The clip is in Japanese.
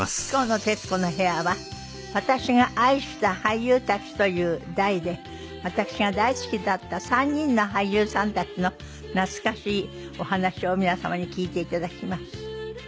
今日の『徹子の部屋』は「私が愛した俳優たち」という題で私が大好きだった３人の俳優さんたちの懐かしいお話を皆様に聞いていただきます。